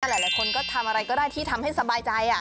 หลายคนก็ทำอะไรก็ได้ที่ทำให้สบายใจ